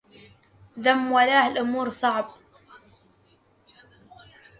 ذم ولاة الأمور صعب